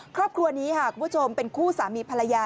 ครอบครัวนี้ค่ะคุณผู้ชมเป็นคู่สามีภรรยา